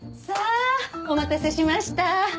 さあお待たせしました。